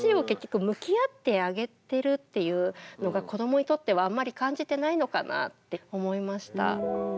結局向き合ってあげてるっていうのが子どもにとってはあんまり感じてないのかなって思いました。